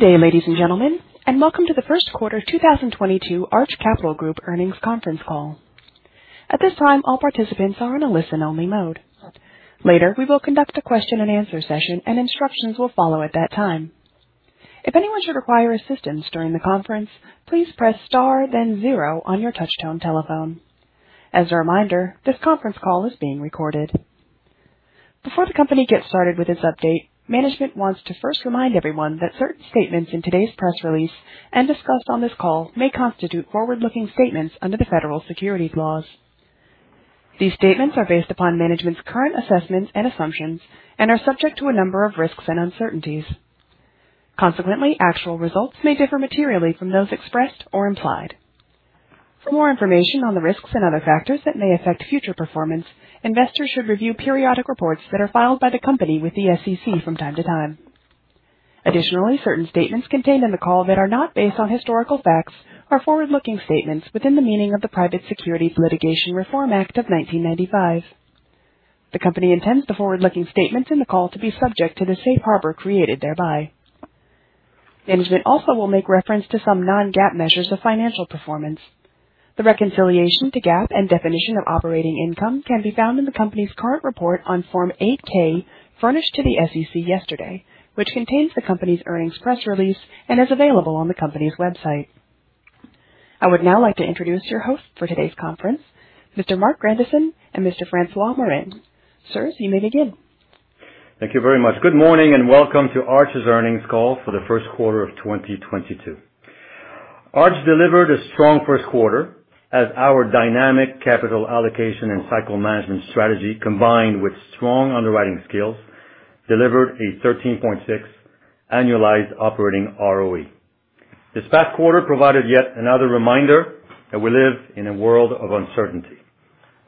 Good day, ladies and gentlemen, and welcome to the first quarter 2022 Arch Capital Group earnings conference call. At this time, all participants are in a listen-only mode. Later, we will conduct a question-and-answer session, and instructions will follow at that time. If anyone should require assistance during the conference, please press star then zero on your touchtone telephone. As a reminder, this conference call is being recorded. Before the company gets started with its update, management wants to first remind everyone that certain statements in today's press release and discussed on this call may constitute forward-looking statements under the federal securities laws. These statements are based upon management's current assessments and assumptions and are subject to a number of risks and uncertainties. Consequently, actual results may differ materially from those expressed or implied. For more information on the risks and other factors that may affect future performance, investors should review periodic reports that are filed by the company with the SEC from time to time. Additionally, certain statements contained in the call that are not based on historical facts are forward-looking statements within the meaning of the Private Securities Litigation Reform Act of 1995. The company intends the forward-looking statements in the call to be subject to the safe harbor created thereby. Management also will make reference to some non-GAAP measures of financial performance. The reconciliation to GAAP and definition of operating income can be found in the company's current report on Form 8-K furnished to the SEC yesterday, which contains the company's earnings press release and is available on the company's website. I would now like to introduce your hosts for today's conference, Mr. Marc Grandisson and Mr. François Morin. Sirs, you may begin. Thank you very much. Good morning and welcome to Arch's earnings call for the first quarter of 2022. Arch delivered a strong first quarter as our dynamic capital allocation and cycle management strategy, combined with strong underwriting skills, delivered a 13.6% annualized operating ROE. This past quarter provided yet another reminder that we live in a world of uncertainty.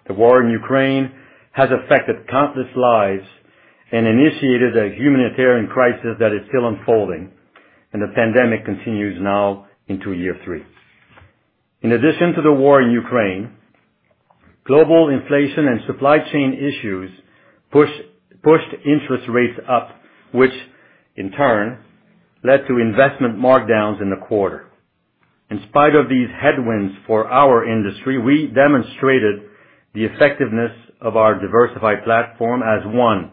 The war in Ukraine has affected countless lives and initiated a humanitarian crisis that is still unfolding, and the pandemic continues now into year three. In addition to the war in Ukraine, global inflation and supply chain issues pushed interest rates up, which in turn led to investment markdowns in the quarter. In spite of these headwinds for our industry, we demonstrated the effectiveness of our diversified platform as, one,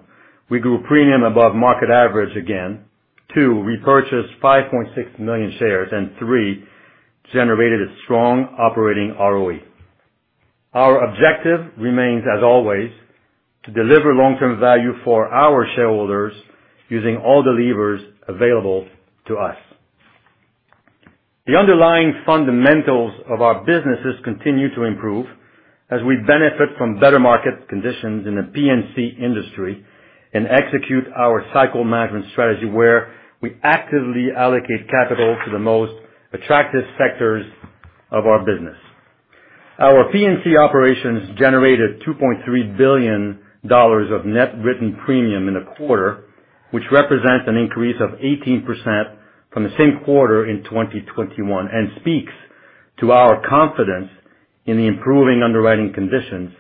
we grew premium above market average again. Two, repurchased 5.6 million shares, and three, generated a strong operating ROE. Our objective remains, as always, to deliver long-term value for our shareholders using all the levers available to us. The underlying fundamentals of our businesses continue to improve as we benefit from better market conditions in the P&C industry and execute our cycle management strategy, where we actively allocate capital to the most attractive sectors of our business. Our P&C operations generated $2.3 billion of net written premium in the quarter, which represents an increase of 18% from the same quarter in 2021, and speaks to our confidence in the improving underwriting conditions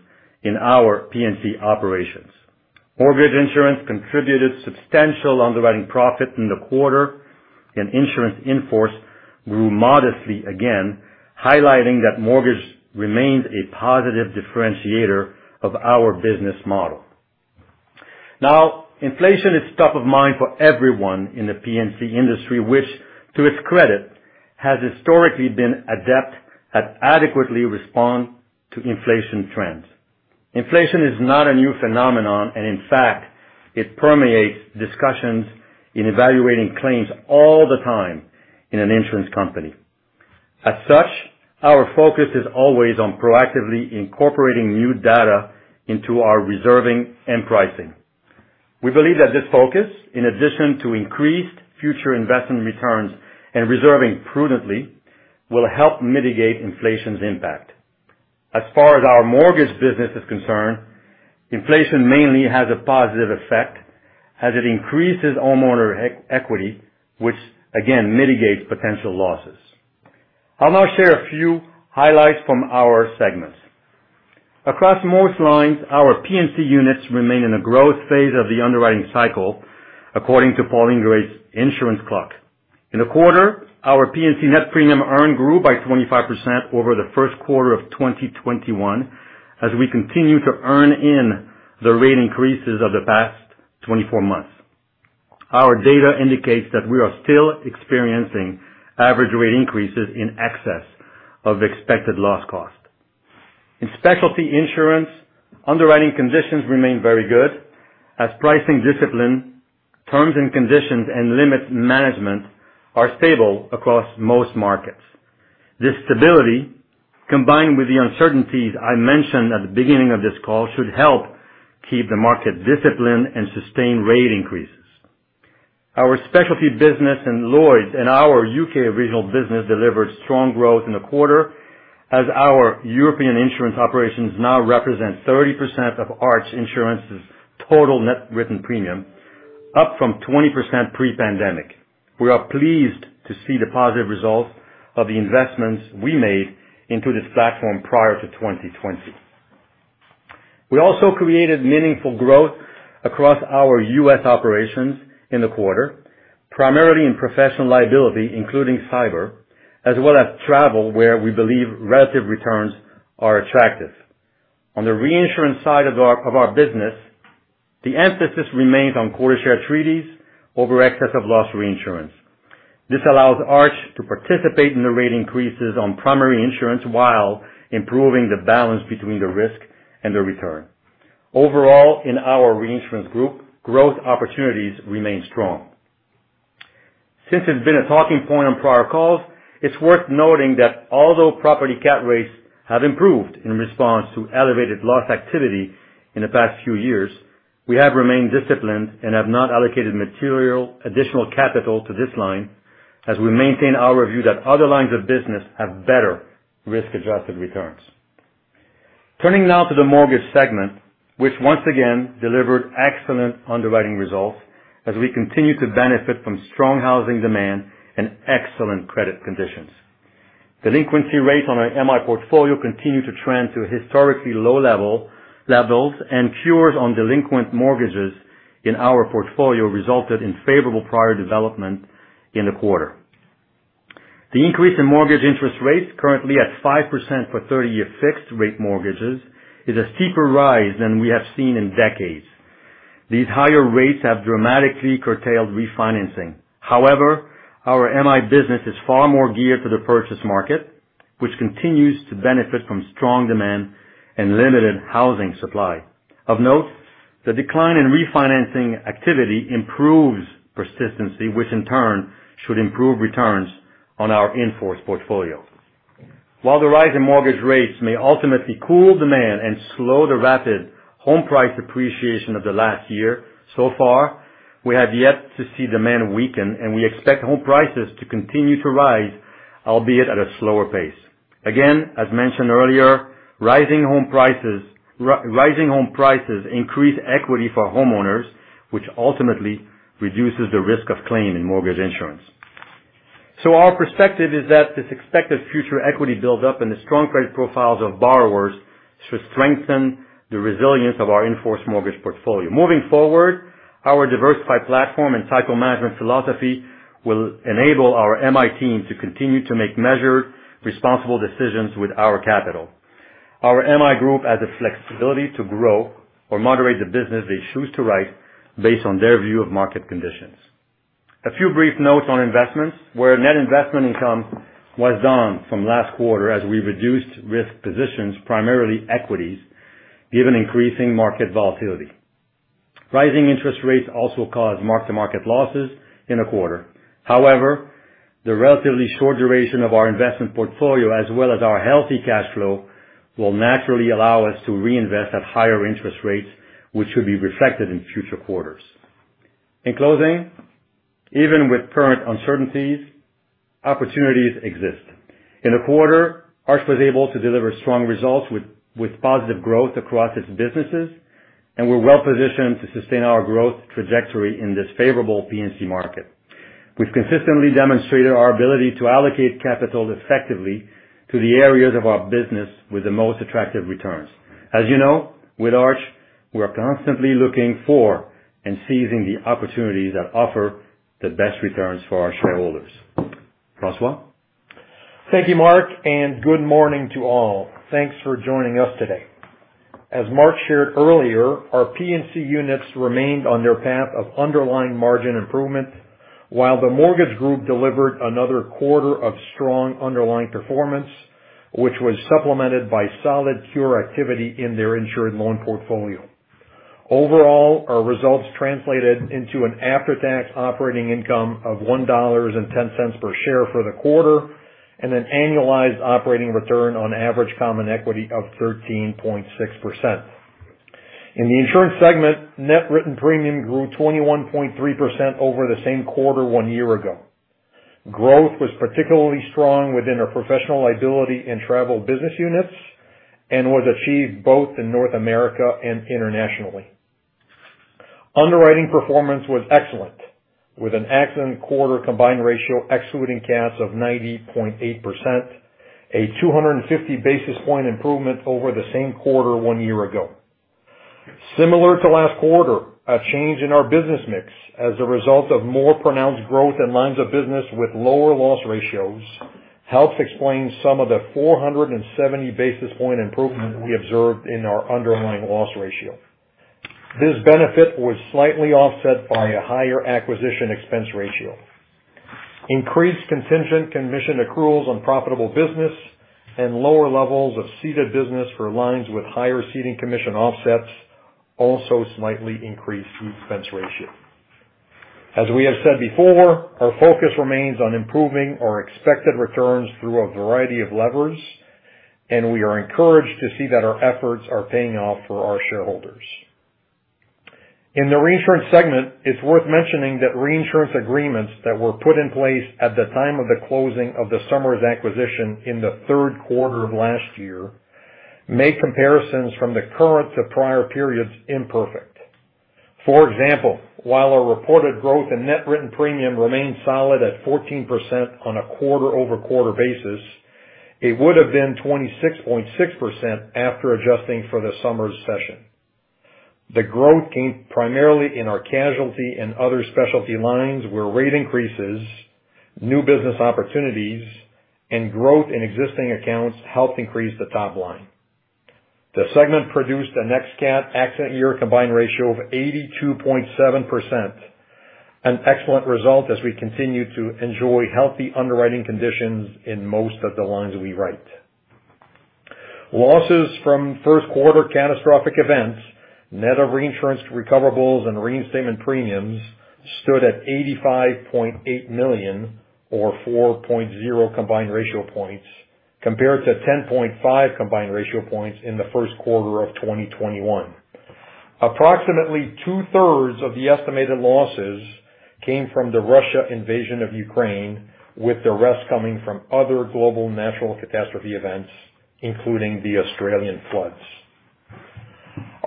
in our P&C operations. Mortgage insurance contributed substantial underwriting profit in the quarter, and insurance in force grew modestly, again highlighting that mortgage remains a positive differentiator of our business model. Now, inflation is top of mind for everyone in the P&C industry, which, to its credit, has historically been adept at adequately respond to inflation trends. Inflation is not a new phenomenon, and in fact, it permeates discussions in evaluating claims all the time in an insurance company. As such, our focus is always on proactively incorporating new data into our reserving and pricing. We believe that this focus, in addition to increased future investment returns and reserving prudently, will help mitigate inflation's impact. As far as our mortgage business is concerned, inflation mainly has a positive effect as it increases homeowner equity, which again mitigates potential losses. I'll now share a few highlights from our segments. Across most lines, our P&C units remain in a growth phase of the underwriting cycle, according to Paul Ingrey's Insurance Clock. In the quarter, our P&C net premium earned grew by 25% over the first quarter of 2021 as we continue to earn in the rate increases of the past 24 months. Our data indicates that we are still experiencing average rate increases in excess of expected loss cost. In specialty insurance, underwriting conditions remain very good as pricing discipline, terms and conditions, and limit management are stable across most markets. This stability, combined with the uncertainties I mentioned at the beginning of this call, should help keep the market disciplined and sustain rate increases. Our specialty business in Lloyd's and our U.K. regional business delivered strong growth in the quarter as our European insurance operations now represent 30% of Arch Insurance's total net written premium, up from 20% pre-pandemic. We are pleased to see the positive results of the investments we made into this platform prior to 2020. We also created meaningful growth across our U.S. operations in the quarter, primarily in professional liability, including cyber, as well as travel, where we believe relative returns are attractive. On the reinsurance side of our business, the emphasis remains on quota share treaties over excess of loss reinsurance. This allows Arch to participate in the rate increases on primary insurance while improving the balance between the risk and the return. Overall, in our reinsurance group, growth opportunities remain strong. Since it's been a talking point on prior calls, it's worth noting that although property Cat rates have improved in response to elevated loss activity in the past few years, we have remained disciplined and have not allocated material additional capital to this line as we maintain our view that other lines of business have better risk-adjusted returns. Turning now to the mortgage segment, which once again delivered excellent underwriting results as we continue to benefit from strong housing demand and excellent credit conditions. Delinquency rates on our MI portfolio continue to trend to historically low levels, and cures on delinquent mortgages in our portfolio resulted in favorable prior development in the quarter. The increase in mortgage interest rates, currently at 5% for 30-year fixed rate mortgages, is a steeper rise than we have seen in decades. These higher rates have dramatically curtailed refinancing. However, our MI business is far more geared to the purchase market, which continues to benefit from strong demand and limited housing supply. Of note, the decline in refinancing activity improves persistency, which in turn should improve returns on our in-force portfolio. While the rise in mortgage rates may ultimately cool demand and slow the rapid home price appreciation of the last year, so far, we have yet to see demand weaken, and we expect home prices to continue to rise, albeit at a slower pace. Again, as mentioned earlier, rising home prices increase equity for homeowners, which ultimately reduces the risk of claim in mortgage insurance. Our perspective is that this expected future equity build-up and the strong credit profiles of borrowers should strengthen the resilience of our in-force mortgage portfolio. Moving forward, our diversified platform and cycle management philosophy will enable our MI team to continue to make measured, responsible decisions with our capital. Our MI group has the flexibility to grow or moderate the business they choose to write based on their view of market conditions. A few brief notes on investments, where net investment income was down from last quarter as we reduced risk positions, primarily equities, given increasing market volatility. Rising interest rates also caused mark-to-market losses in the quarter. However, the relatively short duration of our investment portfolio, as well as our healthy cash flow, will naturally allow us to reinvest at higher interest rates, which should be reflected in future quarters. In closing, even with current uncertainties, opportunities exist. In the quarter, Arch was able to deliver strong results with positive growth across its businesses, and we're well-positioned to sustain our growth trajectory in this favorable P&C market. We've consistently demonstrated our ability to allocate capital effectively to the areas of our business with the most attractive returns. As you know, with Arch, we are constantly looking for and seizing the opportunities that offer the best returns for our shareholders. François? Thank you, Marc, and good morning to all. Thanks for joining us today. As Marc shared earlier, our P&C units remained on their path of underlying margin improvement, while the mortgage group delivered another quarter of strong underlying performance, which was supplemented by solid cure activity in their insured loan portfolio. Overall, our results translated into an after-tax operating income of $1.10 per share for the quarter and an annualized operating return on average common equity of 13.6%. In the insurance segment, net written premium grew 21.3% over the same quarter one year ago. Growth was particularly strong within our professional liability and travel business units and was achieved both in North America and internationally. Underwriting performance was excellent, with an excellent quarter combined ratio excluding cats of 90.8%, a 250 basis point improvement over the same quarter one year ago. Similar to last quarter, a change in our business mix as a result of more pronounced growth in lines of business with lower loss ratios helps explain some of the 470 basis point improvement we observed in our underlying loss ratio. This benefit was slightly offset by a higher acquisition expense ratio. Increased contingent commission accruals on profitable business and lower levels of ceded business for lines with higher ceding commission offsets also slightly increased the expense ratio. As we have said before, our focus remains on improving our expected returns through a variety of levers, and we are encouraged to see that our efforts are paying off for our shareholders. In the reinsurance segment, it's worth mentioning that reinsurance agreements that were put in place at the time of the closing of the Somers acquisition in the third quarter of last year made comparisons from the current to prior periods imperfect. For example, while our reported growth in net written premium remained solid at 14% on a quarter-over-quarter basis, it would have been 26.6% after adjusting for the Somers cession. The growth came primarily in our casualty and other specialty lines where rate increases, new business opportunities, and growth in existing accounts helped increase the top line. The segment produced a net Cat accident year combined ratio of 82.7%. An excellent result as we continue to enjoy healthy underwriting conditions in most of the lines we write. Losses from first quarter catastrophic events, net of reinsurance recoverables and reinstatement premiums stood at $85.8 million or 4.0 combined ratio points compared to 10.5 combined ratio points in the first quarter of 2021. Approximately 2/3 of the estimated losses came from the Russian invasion of Ukraine, with the rest coming from other global natural catastrophe events, including the Australian floods.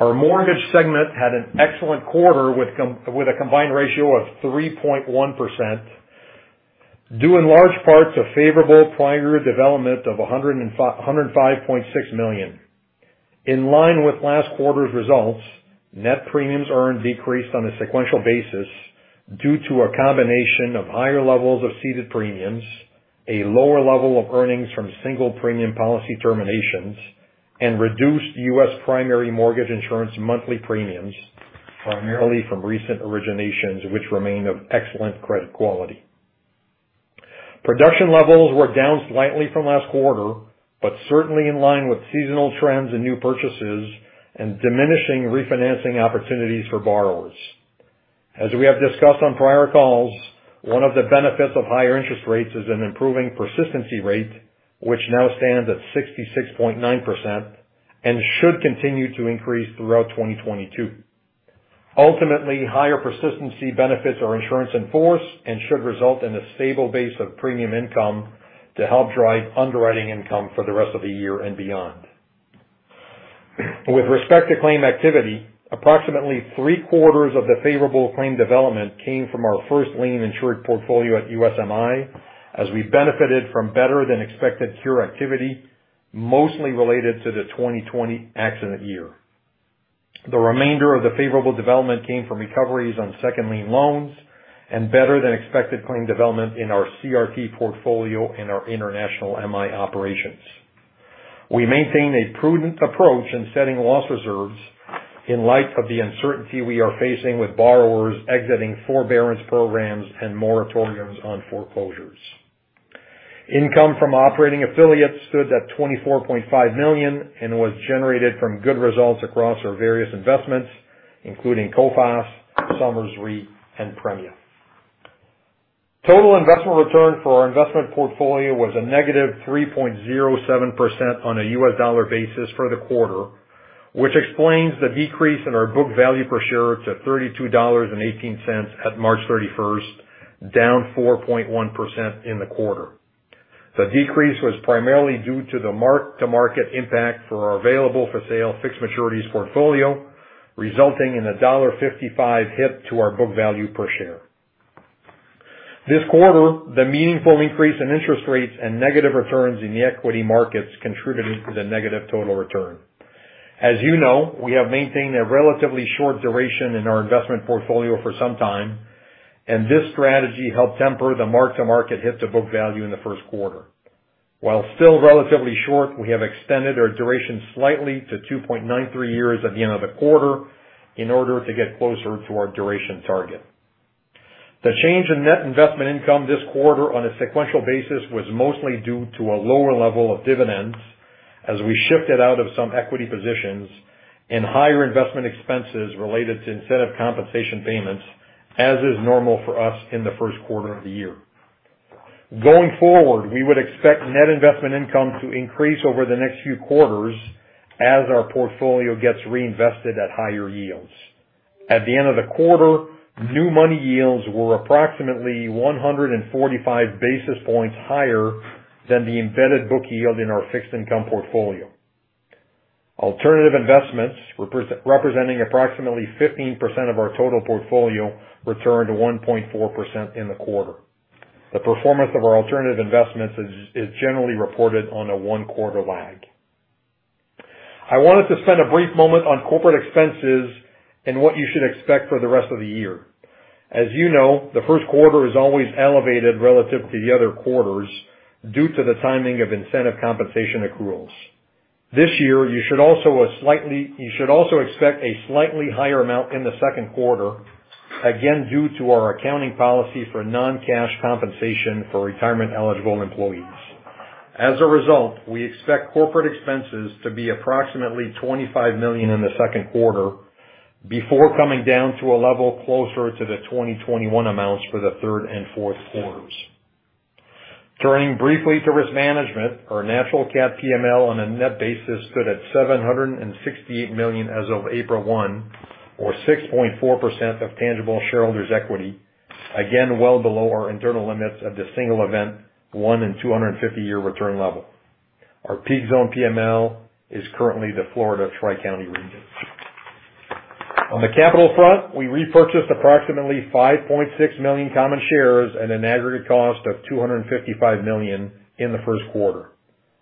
Our mortgage segment had an excellent quarter with a combined ratio of 3.1%, due in large part to favorable prior year development of $105.6 million. In line with last quarter's results, net premiums earned decreased on a sequential basis due to a combination of higher levels of ceded premiums, a lower level of earnings from single premium policy terminations, and reduced U.S. primary mortgage insurance monthly premiums, primarily from recent originations which remain of excellent credit quality. Production levels were down slightly from last quarter, but certainly in line with seasonal trends and new purchases and diminishing refinancing opportunities for borrowers. As we have discussed on prior calls, one of the benefits of higher interest rates is an improving persistency rate, which now stands at 66.9% and should continue to increase throughout 2022. Ultimately, higher persistency benefits our insurance in force and should result in a stable base of premium income to help drive underwriting income for the rest of the year and beyond. With respect to claim activity, approximately three-quarters of the favorable claim development came from our first lien insured portfolio at USMI as we benefited from better than expected cure activity, mostly related to the 2020 accident year. The remainder of the favorable development came from recoveries on second lien loans and better than expected claim development in our CRT portfolio and our international MI operations. We maintain a prudent approach in setting loss reserves in light of the uncertainty we are facing with borrowers exiting forbearance programs and moratoriums on foreclosures. Income from operating affiliates stood at $24.5 million and was generated from good results across our various investments, including Coface, Somers Re, and Premia. Total investment return for our investment portfolio was -3.07% on a U.S. dollar basis for the quarter, which explains the decrease in our book value per share to $32.18 at March 31, down 4.1% in the quarter. The decrease was primarily due to the mark-to-market impact for our available for sale fixed maturities portfolio, resulting in a $1.55 hit to our book value per share. This quarter, the meaningful increase in interest rates and negative returns in the equity markets contributed to the negative total return. As you know, we have maintained a relatively short duration in our investment portfolio for some time, and this strategy helped temper the mark-to-market hit to book value in the first quarter. While still relatively short, we have extended our duration slightly to 2.93 years at the end of the quarter in order to get closer to our duration target. The change in net investment income this quarter on a sequential basis was mostly due to a lower level of dividends as we shifted out of some equity positions and higher investment expenses related to incentive compensation payments, as is normal for us in the first quarter of the year. Going forward, we would expect net investment income to increase over the next few quarters as our portfolio gets reinvested at higher yields. At the end of the quarter, new money yields were approximately 145 basis points higher than the embedded book yield in our fixed income portfolio. Alternative investments representing approximately 15% of our total portfolio returned 1.4% in the quarter. The performance of our alternative investments is generally reported on a one-quarter lag. I wanted to spend a brief moment on corporate expenses and what you should expect for the rest of the year. As you know, the first quarter is always elevated relative to the other quarters due to the timing of incentive compensation accruals. This year, you should also expect a slightly higher amount in the second quarter, again due to our accounting policy for non-cash compensation for retirement eligible employees. As a result, we expect corporate expenses to be approximately $25 million in the second quarter before coming down to a level closer to the 2021 amounts for the third and fourth quarters. Turning briefly to risk management, our national Cat PML on a net basis stood at $768 million as of April 1, or 6.4% of tangible shareholders' equity. Again, well below our internal limits of the single event 1 in 250-year return level. Our peak zone PML is currently the Florida Tri-County region. On the capital front, we repurchased approximately 5.6 million common shares at an aggregate cost of $255 million in the first quarter.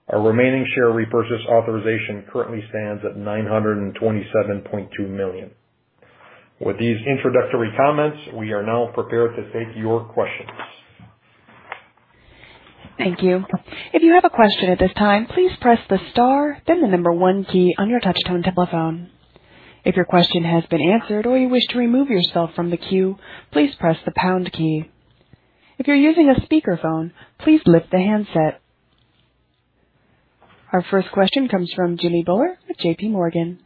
Our remaining share repurchase authorization currently stands at $927.2 million. With these introductory comments, we are now prepared to take your questions. Thank you. If you have a question at this time, please press the star then the number one key on your touchtone telephone. If your question has been answered or you wish to remove yourself from the queue, please press the pound key. If you're using a speakerphone, please lift the handset. Our first question comes from Jimmy Bhullar with JPMorgan.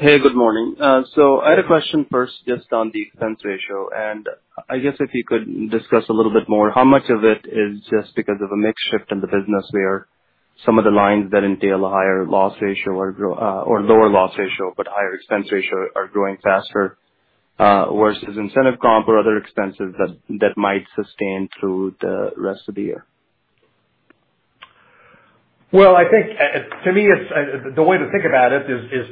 Hey, good morning. I had a question first just on the expense ratio, and I guess if you could discuss a little bit more how much of it is just because of a mix shift in the business where some of the lines that entail a higher loss ratio or lower loss ratio, but higher expense ratio are growing faster, versus incentive comp or other expenses that might sustain through the rest of the year. Well, I think to me, it's the way to think about it is.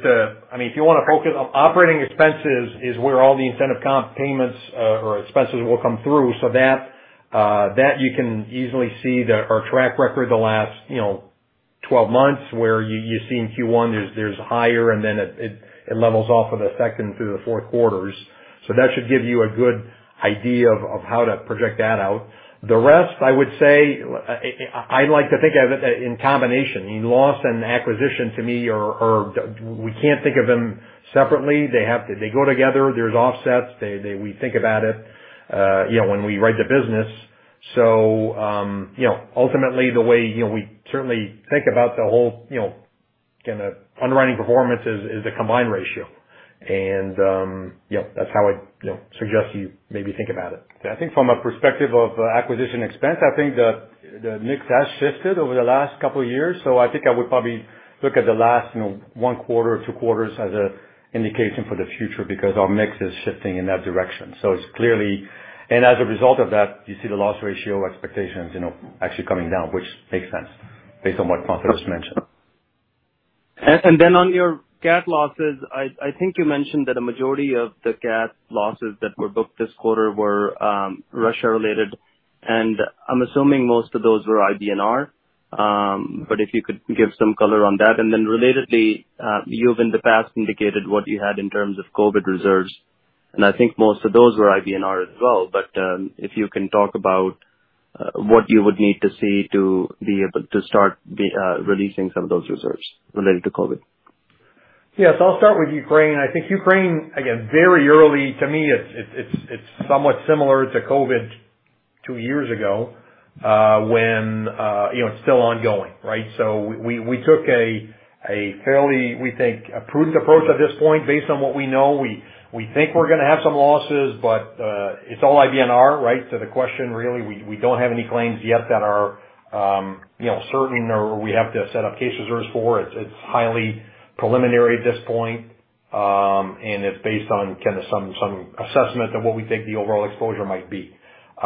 I mean, if you want to focus on operating expenses is where all the incentive comp payments or expenses will come through. That you can easily see that our track record the last, you know, 12 months where you see in Q1 there's higher and then it levels off in the second through the fourth quarters. That should give you a good idea of how to project that out. The rest, I would say, I'd like to think of it in combination. Loss and acquisition to me are. We can't think of them separately. They have to go together. There's offsets. We think about it, you know, when we write the business. So, you know, ultimately, the way, you know, we certainly think about the whole, you know, kinda underwriting performance is the combined ratio. And, you know, that's how I'd, you know, suggest you maybe think about it. I think from a perspective of acquisition expense, I think the mix has shifted over the last couple of years. I think I would probably look at the last, you know, one quarter or two quarters as an indication for the future because our mix is shifting in that direction. It's clearly. As a result of that, you see the loss ratio expectations, you know, actually coming down, which makes sense based on what François Morin just mentioned. Then on your Cat losses, I think you mentioned that a majority of the Cat losses that were booked this quarter were Russia related, and I'm assuming most of those were IBNR. If you could give some color on that. Relatedly, you've in the past indicated what you had in terms of COVID reserves, and I think most of those were IBNR as well. If you can talk about what you would need to see to be able to start releasing some of those reserves related to COVID. Yes, I'll start with Ukraine. I think Ukraine, again, very early to me, it's somewhat similar to COVID two years ago, when, you know, it's still ongoing, right? We took a fairly, we think, prudent approach at this point based on what we know. We think we're going to have some losses, but, it's all IBNR, right? To the question really, we don't have any claims yet that are, you know, certain or we have to set up case reserves for. It's highly preliminary at this point, and it's based on kind of some assessment of what we think the overall exposure might be. You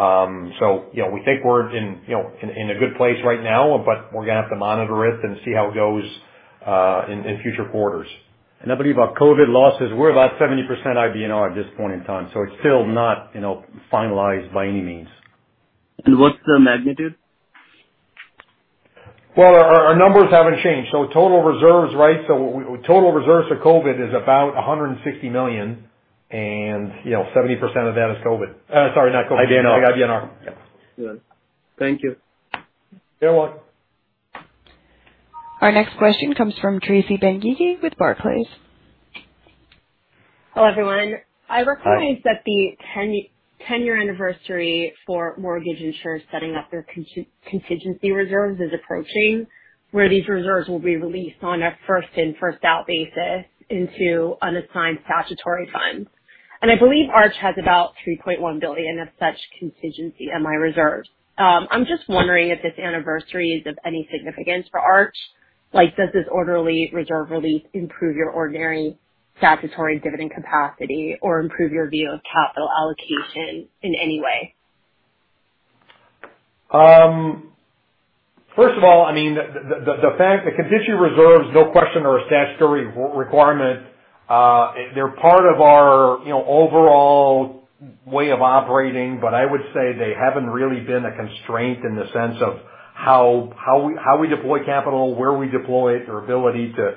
know, we think we're in, you know, a good place right now, but we're going to have to monitor it and see how it goes in future quarters. I believe our COVID losses, we're about 70% IBNR at this point in time, so it's still not, you know, finalized by any means. What's the magnitude? Well, our numbers haven't changed. Total reserves, right? Total reserves for COVID is about $160 million. You know, 70% of that is COVID. Sorry, not COVID. IBNR. IBNR. Yeah. Good. Thank you. You're welcome. Our next question comes from Tracy Benguigui with Barclays. Hello, everyone. I recognize that the 10-year anniversary for mortgage insurers setting up their contingency reserves is approaching, where these reserves will be released on a first-in, first-out basis into unassigned statutory funds. I believe Arch has about $3.1 billion of such contingency MI reserves. I'm just wondering if this anniversary is of any significance for Arch. Like, does this orderly reserve release improve your ordinary statutory dividend capacity or improve your view of capital allocation in any way? First of all, I mean, the fact that the contingency reserves, no question, are a statutory requirement. They're part of our, you know, overall way of operating. I would say they haven't really been a constraint in the sense of how we deploy capital, where we deploy it, or ability to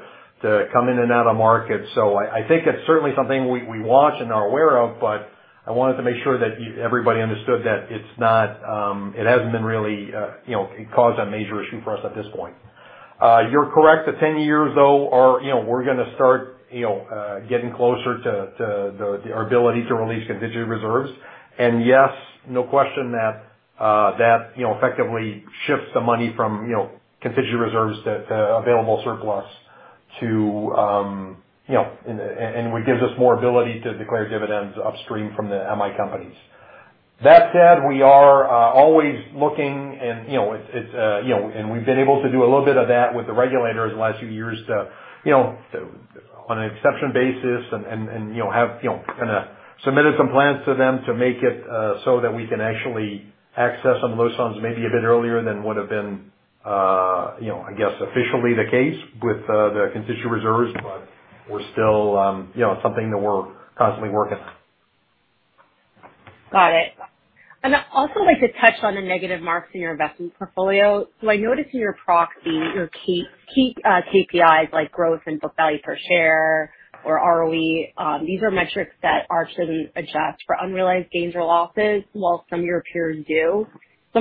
come in and out of markets. I think it's certainly something we watch and are aware of, but I wanted to make sure that everybody understood that it's not, it hasn't been really, you know, caused a major issue for us at this point. You're correct. The 10 years, though, you know, we're going to start getting closer to our ability to release contingency reserves. Yes, no question that you know effectively shifts the money from you know contingency reserves to available surplus to you know and gives us more ability to declare dividends upstream from the MI companies. That said, we are always looking and you know it's you know and we've been able to do a little bit of that with the regulators the last few years to you know to on an exception basis and you know have you know kinda submitted some plans to them to make it so that we can actually access some of those funds maybe a bit earlier than would have been you know, I guess officially the case with the constituent reserves, but we're still, you know, it's something that we're constantly working on. Got it. I'd also like to touch on the negative marks in your investment portfolio. I noticed in your proxy, your key KPIs like growth and book value per share or ROE, these are metrics that Arch doesn't adjust for unrealized gains or losses, while some of your peers do.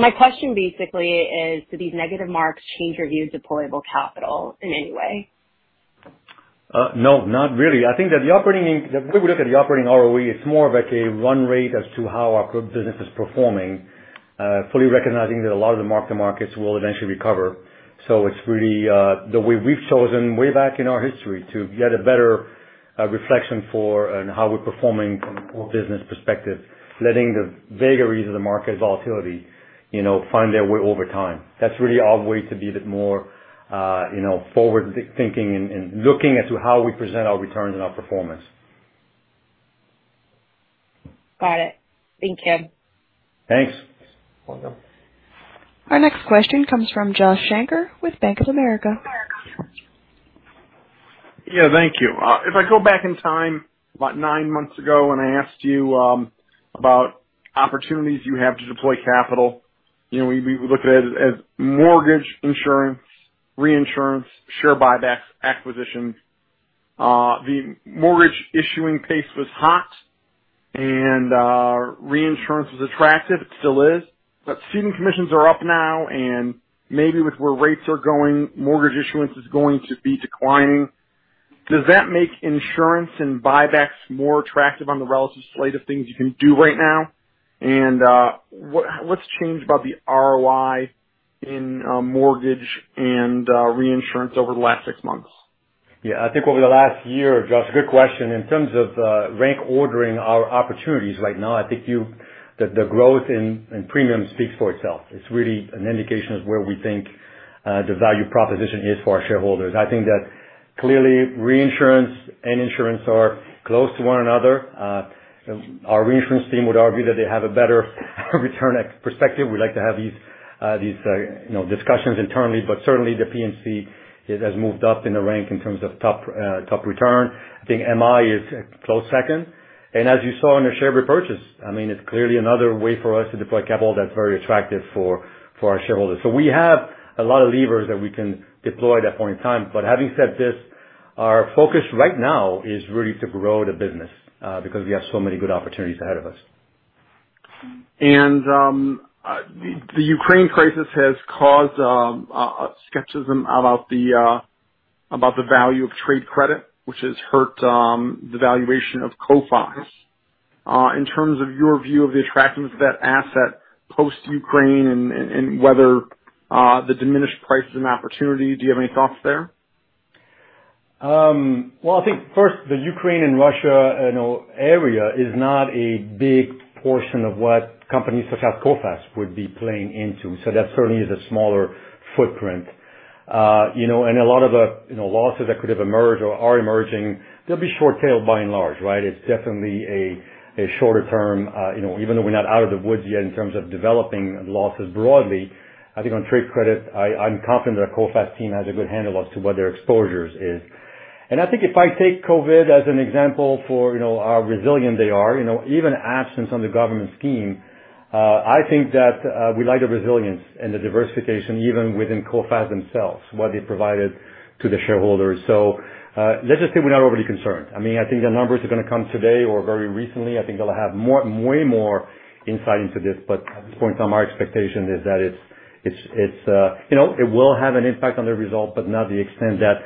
My question basically is, do these negative marks change your view of deployable capital in any way? No, not really. I think that the way we look at the operating ROE, it's more of like a run rate as to how our core business is performing, fully recognizing that a lot of the mark-to-markets will eventually recover. It's really the way we've chosen way back in our history to get a better reflection of how we're performing from a core business perspective, letting the vagaries of the market volatility, you know, find their way over time. That's really our way to be a bit more, you know, forward thinking and looking as to how we present our returns and our performance. Got it. Thank you. Thanks. You're welcome. Our next question comes from Josh Shanker with Bank of America. Yeah, thank you. If I go back in time, about nine months ago when I asked you about opportunities you have to deploy capital, you know, we looked at it as mortgage insurance, reinsurance, share buybacks, acquisitions. The mortgage issuing pace was hot, and reinsurance was attractive. It still is. But ceding commissions are up now, and maybe with where rates are going, mortgage issuance is going to be declining. Does that make insurance and buybacks more attractive on the relative slate of things you can do right now? What's changed about the ROI in mortgage and reinsurance over the last six months? Yeah. I think over the last year, Josh, good question. In terms of rank ordering our opportunities right now, I think the growth in premium speaks for itself. It's really an indication of where we think the value proposition is for our shareholders. I think that clearly reinsurance and insurance are close to one another. Our reinsurance team would argue that they have a better return perspective. We like to have these you know discussions internally, but certainly the P&C, it has moved up in the rank in terms of top return. I think MI is a close second. As you saw in the share repurchase, I mean, it's clearly another way for us to deploy capital that's very attractive for our shareholders. We have a lot of levers that we can deploy at that point in time. Having said this, our focus right now is really to grow the business, because we have so many good opportunities ahead of us. The Ukraine crisis has caused skepticism about the value of trade credit, which has hurt the valuation of Coface. In terms of your view of the attractiveness of that asset post Ukraine and whether the diminished price is an opportunity, do you have any thoughts there? Well, I think first, the Ukraine and Russia, you know, area is not a big portion of what companies such as Coface would be playing into. That certainly is a smaller footprint. You know, a lot of the, you know, losses that could have emerged or are emerging, they'll be short-tailed by and large, right? It's definitely a shorter term, you know, even though we're not out of the woods yet in terms of developing losses broadly. I think on trade credit, I'm confident that our Coface team has a good handle as to what their exposures is. I think if I take COVID as an example for, you know, how resilient they are, you know, even absent the government scheme, I think that, we like the resilience and the diversification even within Coface themselves, what they provided to the shareholders. Let's just say we're not overly concerned. I mean, I think the numbers are gonna come today or very recently. I think they'll have way more insight into this. At this point in time, our expectation is that it's, you know, it will have an impact on the result, but not to the extent that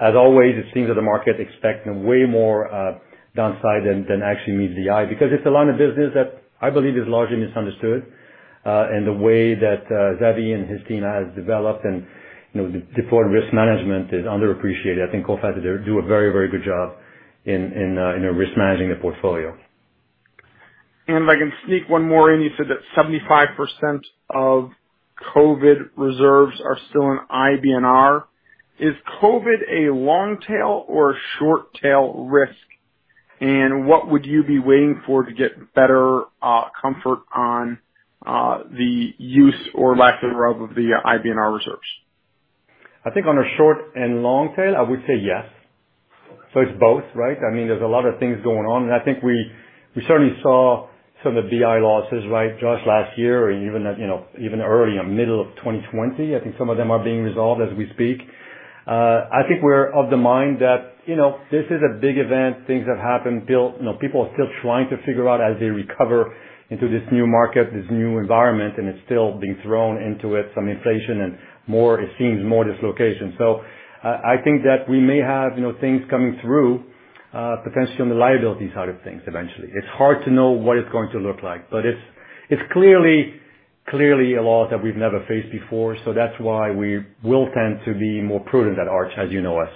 as always, it seems that the market is expecting way more downside than actually meets the eye. Because it's a line of business that I believe is largely misunderstood, and the way that, Xavi and his team has developed and, you know, the default risk management is underappreciated. I think Coface, they do a very, very good job in risk managing the portfolio. If I can sneak one more in. You said that 75% of COVID reserves are still in IBNR. Is COVID a long tail or a short tail risk? What would you be waiting for to get better comfort on the use or lack thereof of the IBNR reserves? I think on a short and long tail, I would say yes. It's both, right? I mean, there's a lot of things going on, and I think we certainly saw some of the BI losses, right, Josh, last year or even, you know, even early or middle of 2020. I think some of them are being resolved as we speak. I think we're of the mind that, you know, this is a big event. Things have happened. You know, people are still trying to figure out as they recover into this new market, this new environment, and it's still being thrown into it, some inflation and more, it seems more dislocation. I think that we may have, you know, things coming through, potentially on the liabilities side of things eventually. It's hard to know what it's going to look like, but it's clearly a loss that we've never faced before. That's why we will tend to be more prudent at Arch, as you know us.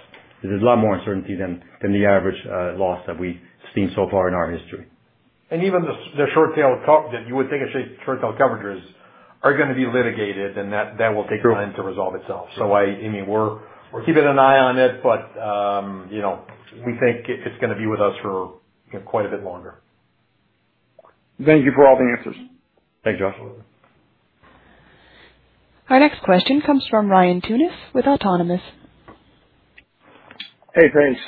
There's a lot more uncertainty than the average loss that we've seen so far in our history. Even the short tail coverages that you would think of are gonna be litigated, and that will take time to resolve itself. I mean, we're keeping an eye on it, but you know, we think it's gonna be with us for you know, quite a bit longer. Thank you for all the answers. Thanks, Josh. Our next question comes from Ryan Tunis with Autonomous. Hey, thanks.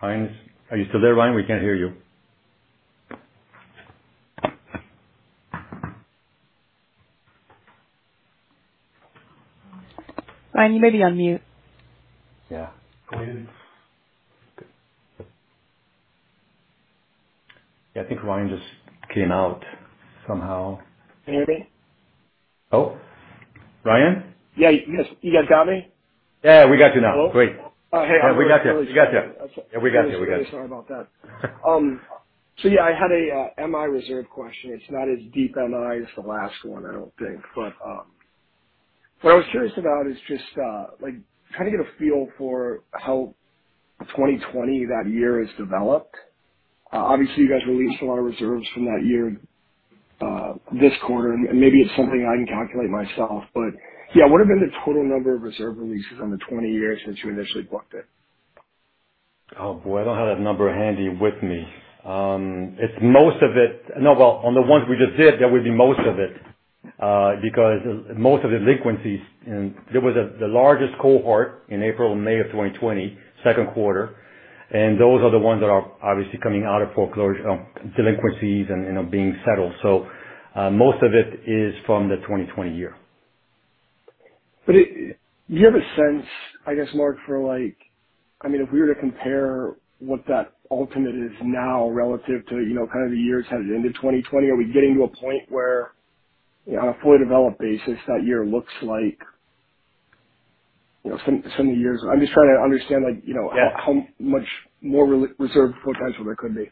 Ryan, are you still there, Ryan? We can't hear you. Ryan, you may be on mute. Yeah. Ryan. Yeah, I think Ryan just came out somehow. Can you hear me? Oh, Ryan? Yeah, you guys got me? Yeah, we got you now. Great. Hello? Oh, hey. We got you. Really sorry about that. Yeah, I had a MI reserve question. It's not as deep MI as the last one, I don't think. What I was curious about is just like trying to get a feel for how 2020, that year, has developed. Obviously, you guys released a lot of reserves from that year, this quarter, and maybe it's something I can calculate myself, but yeah, what have been the total number of reserve releases on the 20 years since you initially booked it? Oh, boy, I don't have that number handy with me. It's most of it. No, well, on the ones we just did, that would be most of it, because most of the delinquencies, and there was the largest cohort in April and May of 2020, second quarter, and those are the ones that are obviously coming out of foreclosure, delinquencies and, you know, being settled. Most of it is from the 2020 year. Do you have a sense, I guess, Marc, for like, I mean, if we were to compare what that ultimate is now relative to, you know, kind of the years headed into 2020, are we getting to a point where, you know, on a fully developed basis that year looks like, you know, similar years? I'm just trying to understand, like, you know how much more reserve potential there could be.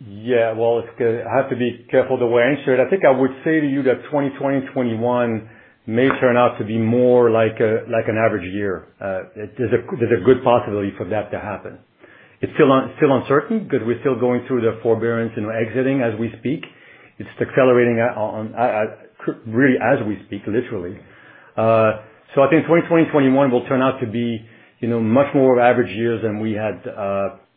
Well, I have to be careful the way I answer it. I think I would say to you that 2020 and 2021 may turn out to be more like a, like an average year. There's a good possibility for that to happen. It's still uncertain because we're still going through the forbearance and exiting as we speak. It's accelerating on really as we speak, literally. I think 2020 and 2021 will turn out to be, you know, much more of average years than we had,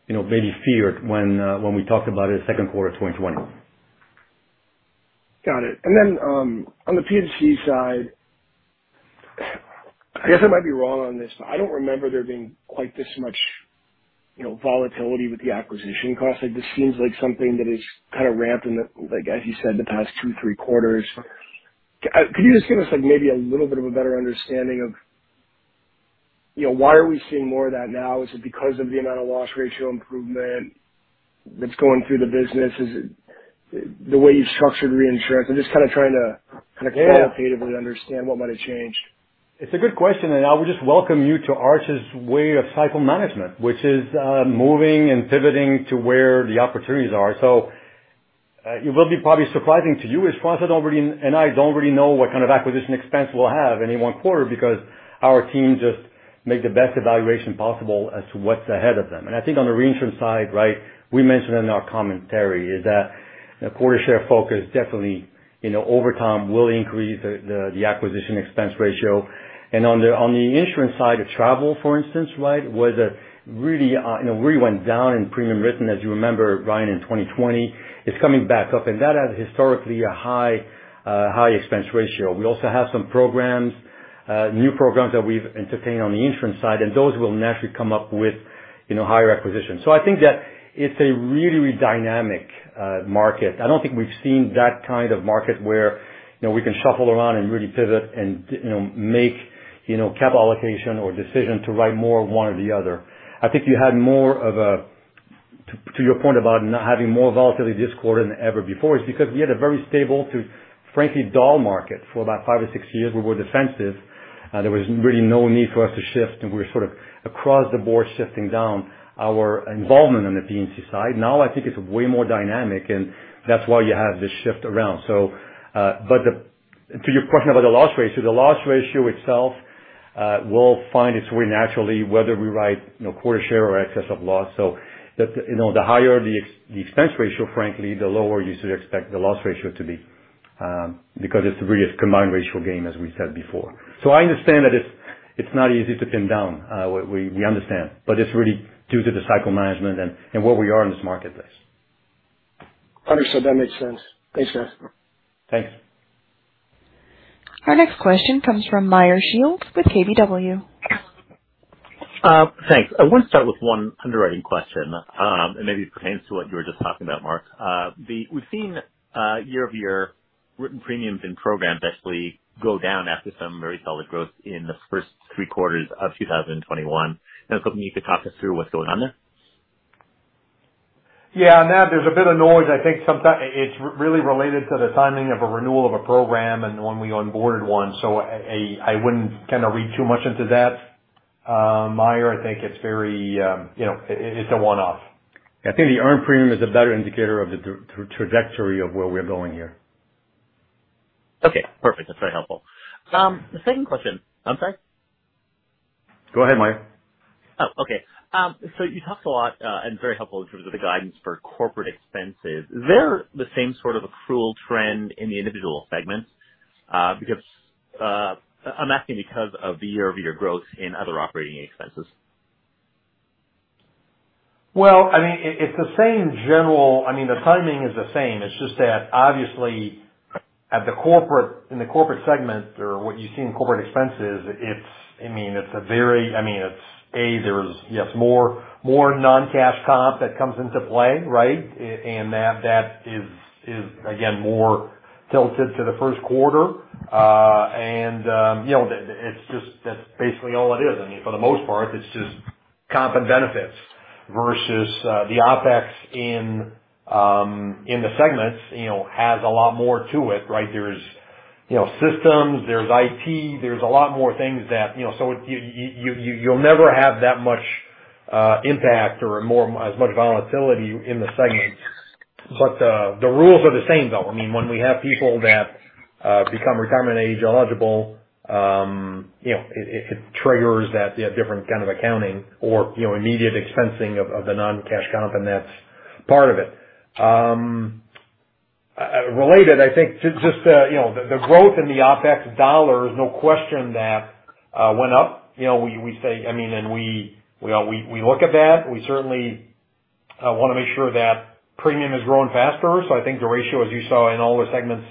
you know, maybe feared when we talked about it second quarter 2021. Got it. On the P&C side, I guess I might be wrong on this, but I don't remember there being quite this much, you know, volatility with the acquisition costs. Like, this seems like something that is kind of rampant, like, as you said, the past two, three quarters. Could you just give us, like, maybe a little bit of a better understanding of, you know, why are we seeing more of that now? Is it because of the amount of loss ratio improvement that's going through the business? Is it the way you've structured reinsurance? I'm just kind of trying to kind of qualitatively understand what might have changed. It's a good question, and I would just welcome you to Arch's way of cycle management, which is moving and pivoting to where the opportunities are. It will be probably surprising to you as François already, and I don't really know what kind of acquisition expense we'll have any one quarter because our team just make the best evaluation possible as to what's ahead of them. I think on the reinsurance side, right, we mentioned in our commentary is that a quota share focus definitely, you know, over time will increase the acquisition expense ratio. On the insurance side of travel, for instance, right, was a really, you know, really went down in premium written, as you remember, Ryan, in 2020. It's coming back up. That has historically a high expense ratio. We also have some programs, new programs that we've entertained on the insurance side, and those will naturally come up with, you know, higher acquisitions. I think that it's a really dynamic market. I don't think we've seen that kind of market where, you know, we can shuffle around and really pivot and, you know, make, you know, capital allocation or decision to write more of one or the other. To your point about not having more volatility this quarter than ever before, it's because we had a very stable to frankly dull market for about five or six years. We were defensive. There was really no need for us to shift, and we were sort of across the board shifting down our involvement on the P&C side. I think it's way more dynamic, and that's why you have this shift around. To your question about the loss ratio, the loss ratio itself will find its way naturally whether we write, you know, quarter share or excess of loss. The, you know, higher the expense ratio, frankly, the lower you should expect the loss ratio to be, because it's really a combined ratio game, as we said before. I understand that it's not easy to pin down. We understand, but it's really due to the cycle management and where we are in this marketplace. Understood. That makes sense. Thanks, guys. Thanks. Our next question comes from Meyer Shields with KBW. Thanks. I want to start with one underwriting question, and maybe it pertains to what you were just talking about, Marc. We've seen year-over-year written premiums and programs actually go down after some very solid growth in the first three quarters of 2021. I was hoping you could talk us through what's going on there. Yeah. That there's a bit of noise. I think it's really related to the timing of a renewal of a program and when we onboarded one. I wouldn't kind of read too much into that, Meyer. I think it's very, you know, it's a one-off. I think the earned premium is a better indicator of the trajectory of where we're going here. Okay, perfect. That's very helpful. The second question. I'm sorry? Go ahead, Meyer. Oh, okay. You talked a lot and very helpful in terms of the guidance for corporate expenses. Is there the same sort of accrual trend in the individual segments? I'm asking because of the year-over-year growth in other operating expenses. Well, I mean, it's the same general. I mean, the timing is the same. It's just that obviously, at the corporate, in the corporate segment or what you see in corporate expenses, it's a very. I mean, it's, a, there's, yes, more non-cash comp that comes into play, right? And that is again more tilted to the first quarter. You know, that's just basically all it is. I mean, for the most part, it's just comp and benefits versus the OpEx in the segments you know has a lot more to it, right? There's systems, there's IT, there's a lot more things that you know, so you you'll never have that much impact or as much volatility in the segments. The rules are the same though. I mean, when we have people that become retirement age eligible, you know, it triggers that, yeah, different kind of accounting or, you know, immediate expensing of the non-cash comp, and that's part of it. Related, I think to just, you know, the growth in the OpEx dollar is no question that went up. You know, we say—I mean, we all look at that. We certainly wanna make sure that premium is growing faster. I think the ratio, as you saw in all the segments,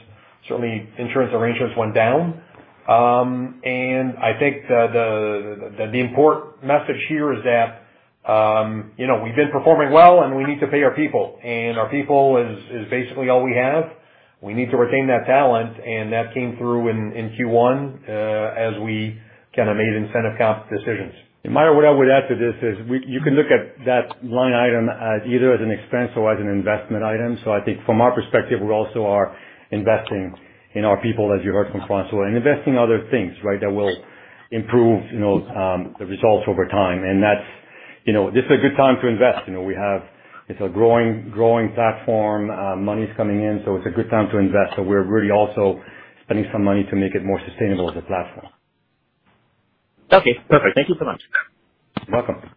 certainly insurance arrangements went down. I think the important message here is that, you know, we've been performing well, and we need to pay our people. Our people is basically all we have. We need to retain that talent, and that came through in Q1, as we kinda made incentive comp decisions. Meyer, what I would add to this is you can look at that line item as either as an expense or as an investment item. I think from our perspective, we also are investing in our people, as you heard from François, and investing other things, right, that will improve, you know, the results over time. That's, you know, this is a good time to invest. You know, we have, it's a growing platform. Money's coming in, so it's a good time to invest. We're really also spending some money to make it more sustainable as a platform. Okay. Perfect. Thank you so much. You're welcome.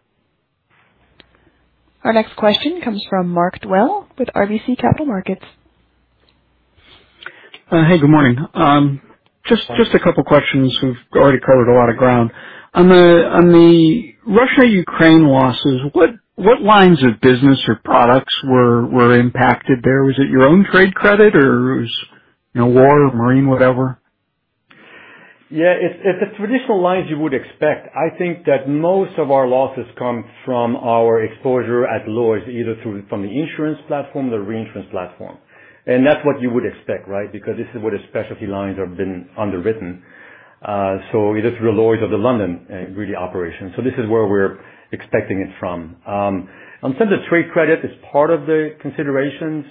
Our next question comes from Mark Dwelle with RBC Capital Markets. Hey, good morning. Just a couple questions. We've already covered a lot of ground. On the Russia-Ukraine losses, what lines of business or products were impacted there? Was it your own trade credit or was, you know, war or marine whatever? Yeah. It's the traditional lines you would expect. I think that most of our losses come from our exposure at Lloyd's, either through from the insurance platform, the reinsurance platform. That's what you would expect, right? Because this is where the specialty lines have been underwritten. Either through Lloyd's of London real operation. This is where we're expecting it from. In terms of trade credit, it's part of the considerations.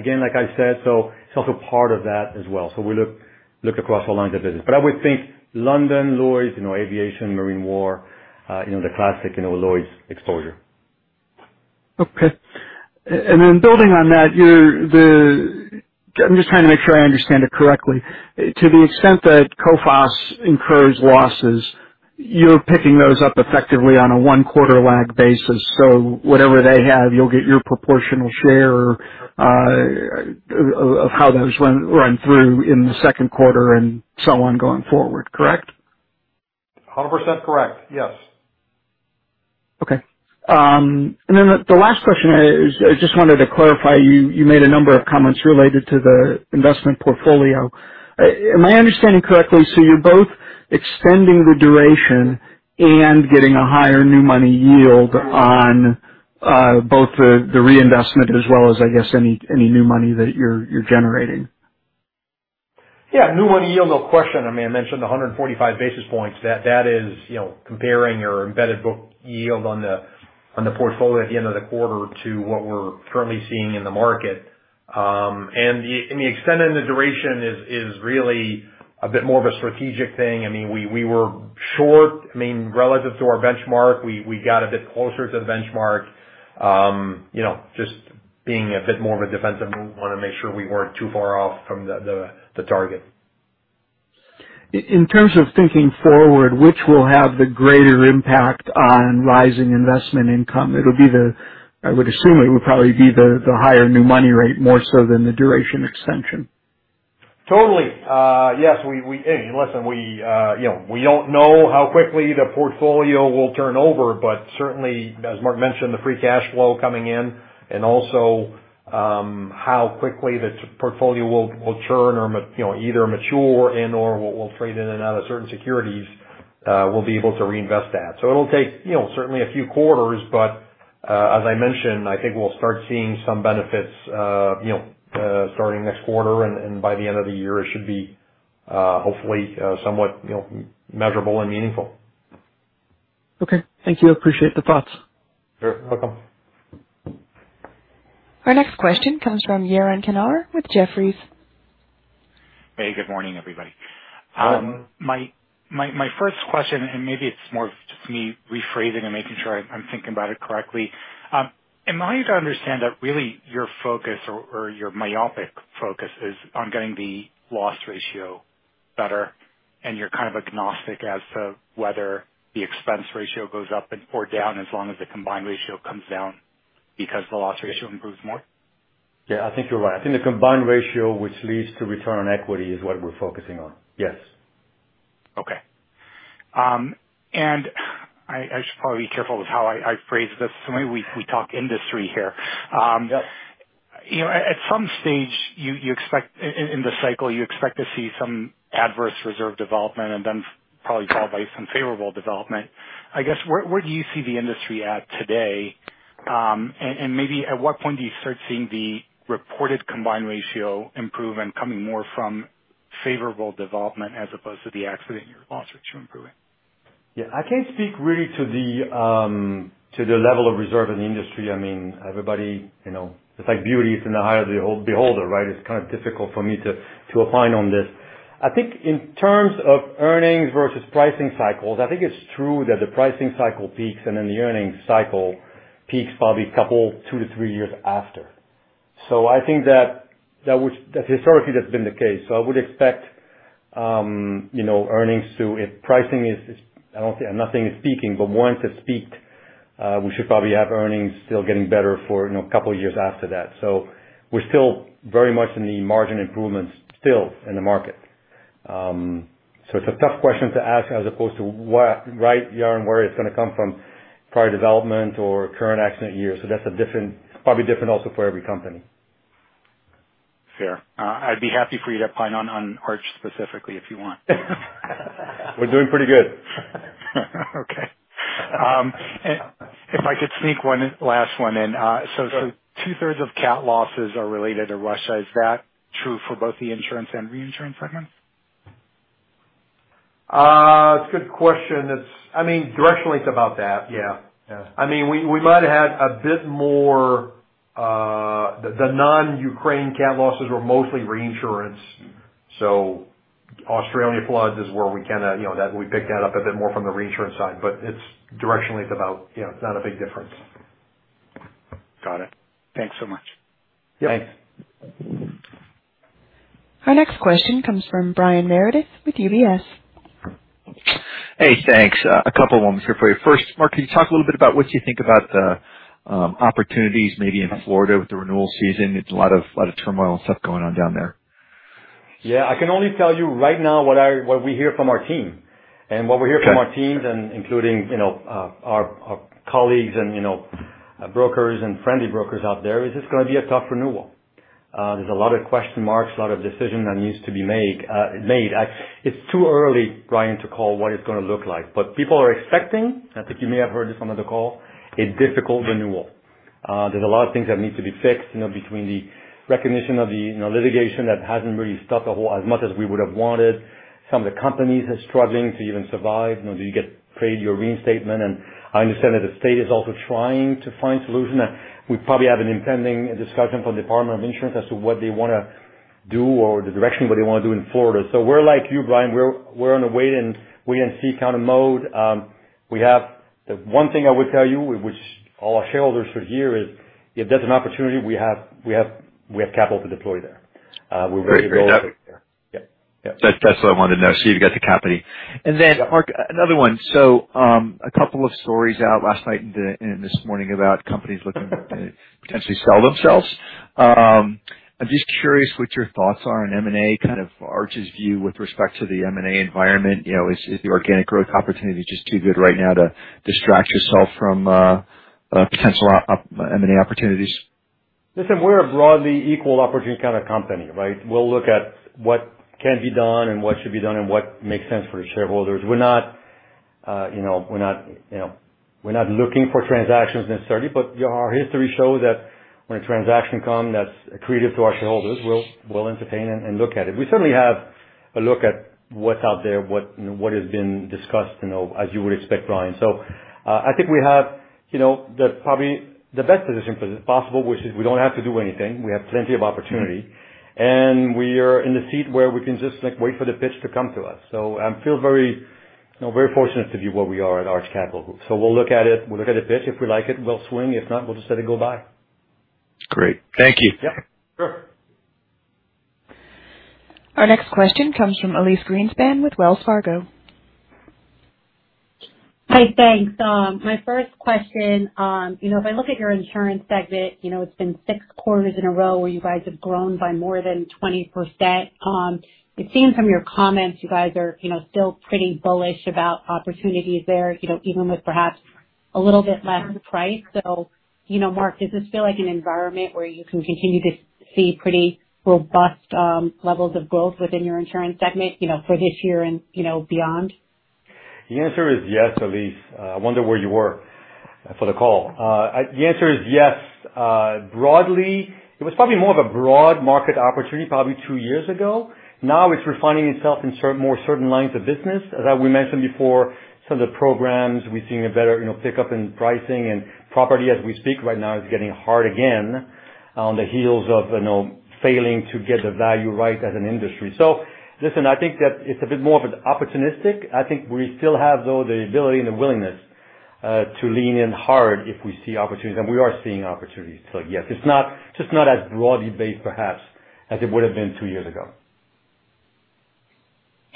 Again, like I said, it's also part of that as well. We look across all lines of business. I would think London, Lloyd's, you know, aviation, marine war, you know, the classic, you know, Lloyd's exposure. Okay. Building on that, I'm just trying to make sure I understand it correctly. To the extent that Coface incurs losses, you're picking those up effectively on a one quarter lag basis. Whatever they have, you'll get your proportional share, of how those run through in the second quarter and so on going forward, correct? 100% correct. Yes. Okay. The last question is, I just wanted to clarify, you made a number of comments related to the investment portfolio. Am I understanding correctly, so you're both extending the duration and getting a higher new money yield on both the reinvestment as well as, I guess, any new money that you're generating? Yeah. New money yield, no question. I mean, I mentioned the 145 basis points. That is, you know, comparing your embedded book yield on the portfolio at the end of the quarter to what we're currently seeing in the market. The extent and the duration is really a bit more of a strategic thing. I mean, we were short, I mean, relative to our benchmark. We got a bit closer to the benchmark. You know, just being a bit more of a defensive move, wanna make sure we weren't too far off from the target. In terms of thinking forward, which will have the greater impact on rising investment income? It'll be the, I would assume it would probably be the higher new money rate more so than the duration extension. Totally. Yes. We, I mean, listen, we, you know, we don't know how quickly the portfolio will turn over but certainly, as Marc mentioned, the free cash flow coming in and also, how quickly the portfolio will turn or you know, either mature and/or we'll trade in and out of certain securities, we'll be able to reinvest that. It'll take, you know, certainly a few quarters, but, as I mentioned, I think we'll start seeing some benefits, you know, starting next quarter. By the end of the year, it should be, hopefully, somewhat, you know, measurable and meaningful. Okay. Thank you. I appreciate the thoughts. You're welcome. Our next question comes from Yaron Kinar with Jefferies. Hey, good morning, everybody. My first question, and maybe it's more of just me rephrasing and making sure I'm thinking about it correctly. Am I to understand that really your focus or your myopic focus is on getting the loss ratio better, and you're kind of agnostic as to whether the expense ratio goes up and/or down as long as the combined ratio comes down because the loss ratio improves more? Yeah, I think you're right. I think the combined ratio, which leads to return on equity is what we're focusing on. Yes. Okay. I should probably be careful with how I phrase this. Maybe we talk industry here. You know, at some stage you expect in the cycle to see some adverse reserve development and then probably followed by some favorable development. I guess, where do you see the industry at today? Maybe at what point do you start seeing the reported combined ratio improvement coming more from favorable development as opposed to the accident year losses improving? Yeah. I can't speak really to the level of reserve in the industry. I mean, everybody, you know, it's like beauty is in the eye of the beholder, right? It's kind of difficult for me to opine on this. I think in terms of earnings versus pricing cycles, I think it's true that the pricing cycle peaks and then the earnings cycle peaks probably a couple, two to three years after. I think that was historically that's been the case. I would expect, you know, earnings too if pricing is. I don't see, I'm not saying it's peaking, but once it's peaked, we should probably have earnings still getting better for, you know, a couple of years after that. We're still very much in the margin improvements still in the market. It's a tough question to ask as opposed to what, right, Yaron, where it's going to come from, prior development or current accident years. That's a different, probably also for every company. Fair. I'd be happy for you to opine on Arch specifically if you want. We're doing pretty good. Okay. If I could sneak one last one in. Two-thirds of Cat losses are related to Russia. Is that true for both the insurance and reinsurance segments? It's a good question. I mean, directionally it's about that. Yeah. I mean, we might have a bit more. The non-Ukraine Cat losses were mostly reinsurance. Australia floods is where we kinda, you know, that we picked that up a bit more from the reinsurance side, but it's directionally about, you know, it's not a big difference. Got it. Thanks so much. Yeah. Thanks. Our next question comes from Brian Meredith with UBS. Hey, thanks. A couple ones here for you. First, Mark, can you talk a little bit about what you think about the opportunities maybe in Florida with the renewal season? It's a lot of turmoil and stuff going on down there. Yeah. I can only tell you right now what we hear from our team. What we hear from our teams and including, you know, our colleagues and, you know, brokers and friendly brokers out there is it's going to be a tough renewal. There's a lot of question marks, a lot of decisions that needs to be made. It's too early, Brian, to call what it's gonna look like. People are expecting, I think you may have heard this on another call, a difficult renewal. There's a lot of things that need to be fixed, you know, between the recognition of the, you know, litigation that hasn't really stuck at all, as much as we would have wanted. Some of the companies are struggling to even survive. You know, do you get paid your reinstatement? I understand that the state is also trying to find solution. We probably have an impending discussion from Department of Insurance as to what they wanna do or the direction what they wanna do in Florida. We're like you, Brian. We're on a wait and see kind of mode. The one thing I will tell you, which all our shareholders should hear is if there's an opportunity we have capital to deploy there. We're very well. Great. Great. Yeah. Yeah. That's what I wanted to know. You've got the capital. Yeah. Marc, another one. A couple of stories out last night and this morning about companies looking to potentially sell themselves. I'm just curious what your thoughts are on M&A, kind of Arch's view with respect to the M&A environment. You know, is the organic growth opportunity just too good right now to distract yourself from potential M&A opportunities? Listen, we're a broadly equal opportunity kind of company, right? We'll look at what can be done and what should be done and what makes sense for the shareholders. We're not, you know, looking for transactions necessarily, but our history shows that when a transaction come that's accretive to our shareholders, we'll entertain and look at it. We certainly have a look at what's out there, what has been discussed, you know, as you would expect, Brian. I think we have, you know, probably the best position possible, which is we don't have to do anything. We have plenty of opportunity, and we are in the seat where we can just, like, wait for the pitch to come to us. I feel very, you know, very fortunate to be where we are at Arch Capital. We'll look at it. We'll look at a pitch. If we like it, we'll swing. If not, we'll just let it go by. Great. Thank you. Yeah. Sure. Our next question comes from Elyse Greenspan with Wells Fargo. Hi. Thanks. My first question, you know, if I look at your insurance segment, you know, it's been six quarters in a row where you guys have grown by more than 20%. It seems from your comments, you guys are, you know, still pretty bullish about opportunities there, you know, even with perhaps a little bit less price. You know, Marc, does this feel like an environment where you can continue to see pretty robust levels of growth within your insurance segment, you know, for this year and, you know, beyond? The answer is yes, Elyse. I wonder where you were for the call. The answer is yes. Broadly, it was probably more of a broad market opportunity probably two years ago. Now it's refining itself in more certain lines of business. As we mentioned before, some of the programs we've seen a better, you know, pickup in pricing and property as we speak right now is getting hard again on the heels of, you know, failing to get the value right as an industry. Listen, I think that it's a bit more of an opportunistic. I think we still have, though, the ability and the willingness, to lean in hard if we see opportunities, and we are seeing opportunities. Yes, it's not, just not as broadly based perhaps as it would've been two years ago.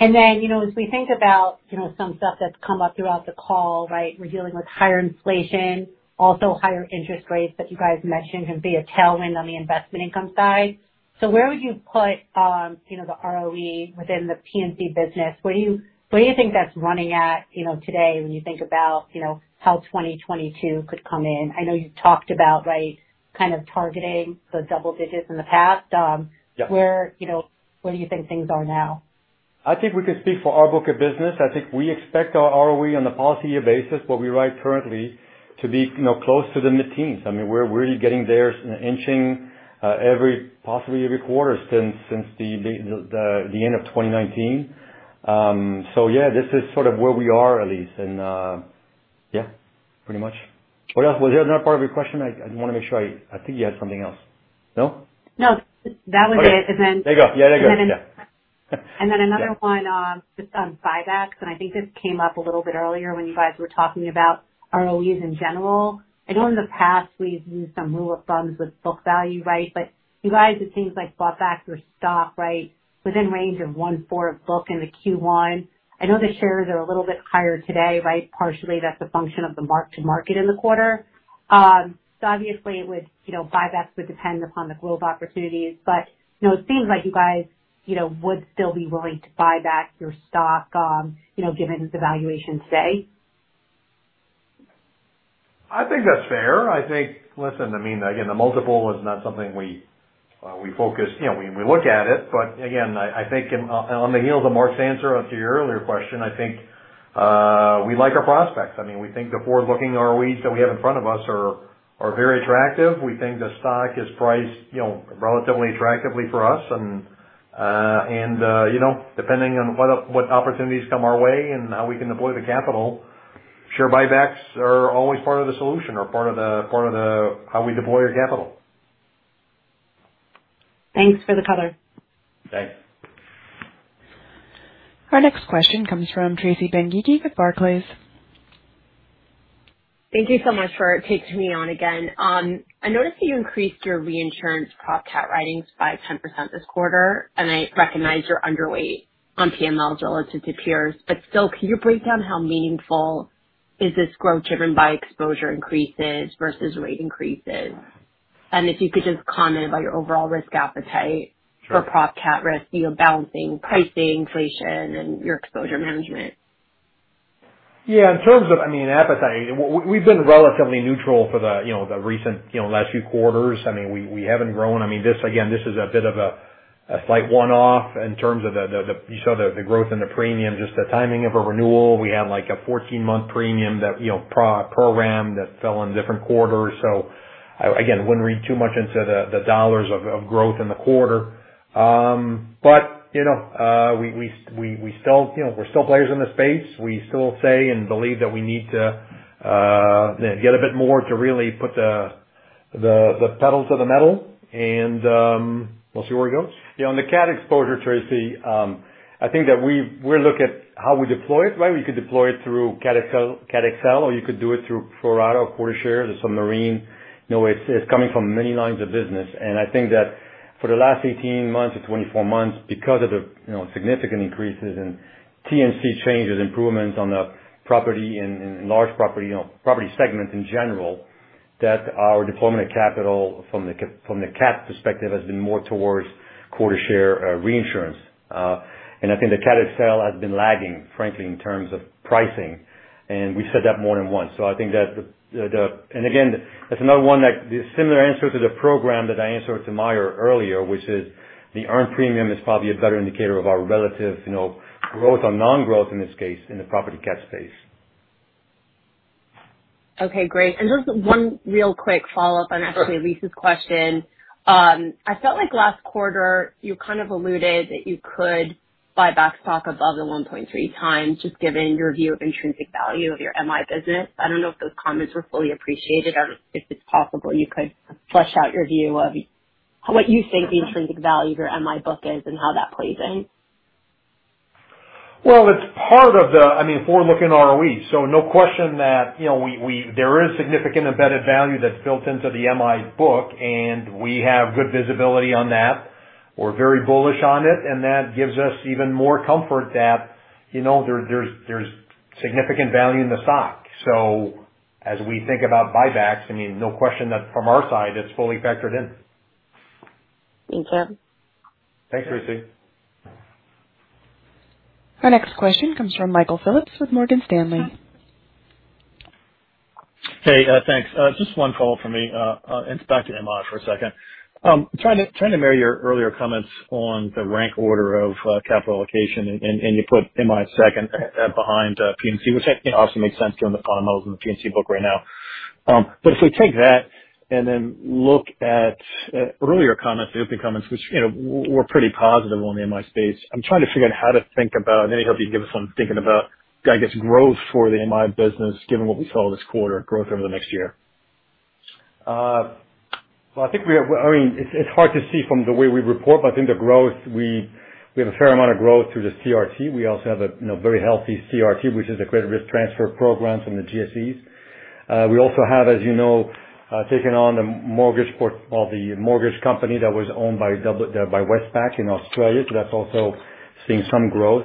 You know, as we think about, you know, some stuff that's come up throughout the call, right? We're dealing with higher inflation, also higher interest rates that you guys mentioned can be a tailwind on the investment income side. Where would you put, you know, the ROE within the P&C business? Where do you think that's running at, you know, today when you think about, you know, how 2022 could come in? I know you talked about, right, kind of targeting the double digits in the past. Yeah. Where, you know, where do you think things are now? I think we could speak for our book of business. I think we expect our ROE on the policy year basis, what we write currently to be close to the mid-teens. I mean, we're getting there, inching possibly every quarter since the end of 2019. Yeah, this is sort of where we are, Elyse, and yeah, pretty much. What else? Was there another part of your question? I wanna make sure I think you had something else. No? No, that was it. Okay. There you go. Yeah, there you go. Yeah. Then another one, just on buybacks, and I think this came up a little bit earlier when you guys were talking about ROEs in general. I know in the past we've used some rule of thumbs with book value, right? But you guys, it seems like bought back your stock, right, within range of 1/4 book into Q1. I know the shares are a little bit higher today, right? Partially that's a function of the mark to market in the quarter. So obviously it would, you know, buybacks would depend upon the growth opportunities. But, you know, it seems like you guys, you know, would still be willing to buy back your stock, you know, given its valuation, say. I think that's fair. I think. Listen, I mean, again, the multiple is not something we focus. You know, we look at it, but again, I think on the heels of Marc's answer to your earlier question, I think we like our prospects. I mean, we think the forward-looking ROEs that we have in front of us are very attractive. We think the stock is priced, you know, relatively attractively for us. You know, depending on what opportunities come our way and how we can deploy the capital, share buybacks are always part of the solution or part of how we deploy our capital. Thanks for the color. Thanks. Our next question comes from Tracy Benguigui with Barclays. Thank you so much for taking me on again. I noticed that you increased your reinsurance prop Cat writings by 10% this quarter, and I recognize you're underweight on PML relative to peers, but still, can you break down how meaningful is this growth driven by exposure increases versus rate increases? If you could just comment about your overall risk appetite for prop Cat risk, you know, balancing pricing, inflation and your exposure management. Yeah. In terms of, I mean, appetite, we've been relatively neutral for the recent, you know, last few quarters. I mean, we haven't grown. I mean, this, again, this is a bit of a slight one-off in terms of the, you saw the growth in the premium, just the timing of a renewal. We had like a 14-month premium that, you know, pro rata program that fell in different quarters. So again, wouldn't read too much into the dollars of growth in the quarter. But, you know, we still, you know, we're still players in the space. We still say and believe that we need to get a bit more to really put the pedals to the metal. We'll see where it goes. Yeah. On the Cat exposure, Tracy, I think that we look at how we deploy it, right? We could deploy it through Cat XL or quota shares or surplus share. You know, it's coming from many lines of business. I think that for the last 18 months or 24 months, because of the, you know, significant increases in T&C changes, improvements on the property and large property, you know, property segments in general, that our deployment of capital from the Cat perspective has been more towards quota share reinsurance. I think the Cat XL has been lagging, frankly, in terms of pricing. We said that more than once. I think that the. Again, that's another one that the similar answer to the question that I answered to Meyer earlier, which is the earned premium is probably a better indicator of our relative, you know, growth or non-growth in this case, in the property Cat space. Okay, great. Just one real quick follow-up on actually Elyse's question. I felt like last quarter you kind of alluded that you could buy back stock above the 1.3x, just given your view of intrinsic value of your MI business. I don't know if those comments were fully appreciated or if it's possible you could flesh out your view of what you think the intrinsic value of your MI book is and how that plays in. Well, it's part of the, I mean, forward-looking ROE. No question that, you know, there is significant embedded value that's built into the MI book and we have good visibility on that. We're very bullish on it, and that gives us even more comfort that, you know, there's significant value in the stock. As we think about buybacks, I mean, no question that from our side it's fully factored in. Thank you. Thanks, Tracy. Our next question comes from Michael Phillips with Morgan Stanley. Hey. Thanks. Just one call from me, and it's back to MI for a second. Trying to marry your earlier comments on the rank order of capital allocation, and you put MI second behind P&C, which I think also makes sense given the fundamentals in the P&C book right now. If we take that and then look at earlier comments, the opening comments, which, you know, were pretty positive on the MI space, I'm trying to figure out how to think about any help you can give us on thinking about, I guess, growth for the MI business, given what we saw this quarter growth over the next year. Well, I mean, it's hard to see from the way we report, but I think the growth, we have a fair amount of growth through the CRT. We also have, you know, a very healthy CRT, which is the credit risk transfer programs in the GSEs. We also have, as you know, taken on the mortgage company that was owned by Westpac in Australia. So that's also seeing some growth.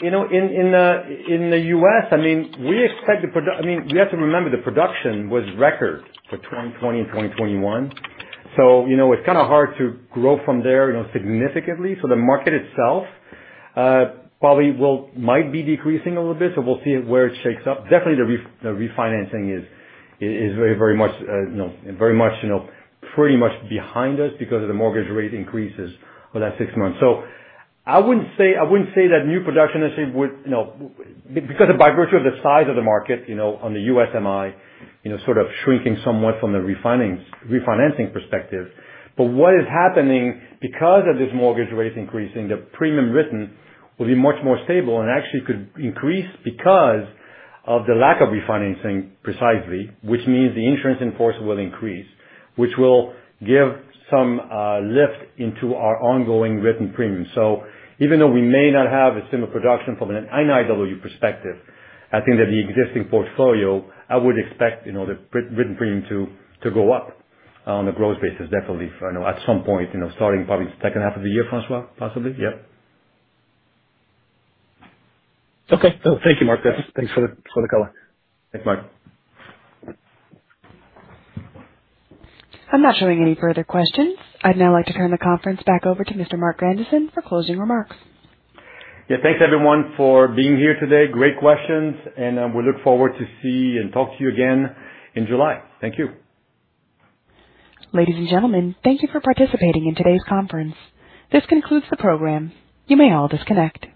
You know, in the U.S., I mean, we have to remember the production was record for 2020 and 2021. So, you know, it's kind of hard to grow from there, you know, significantly. So the market itself probably might be decreasing a little bit. So we'll see where it shakes up. Definitely the refinancing is very, very much, you know, very much, you know, pretty much behind us because of the mortgage rate increases over that six months. I wouldn't say that new production I say would, you know, because by virtue of the size of the market, you know, on the USMI, you know, sort of shrinking somewhat from the refinancing perspective. But what is happening because of this mortgage rate increase in the premium written will be much more stable and actually could increase because of the lack of refinancing precisely, which means the insurance in force will increase, which will give some lift into our ongoing written premium. Even though we may not have a similar production from an NIW perspective, I think that the existing portfolio, I would expect, you know, the written premium to go up on a growth basis, definitely, you know, at some point, you know, starting probably the second half of the year, François, possibly? Yep. Okay. No, thank you, Marc. Definitely. Thanks for the color. Thanks, Mike. I'm not showing any further questions. I'd now like to turn the conference back over to Mr. Marc Grandisson for closing remarks. Yeah, thanks everyone for being here today. Great questions, and we look forward to see and talk to you again in July. Thank you. Ladies and gentlemen, thank you for participating in today's conference. This concludes the program. You may all disconnect.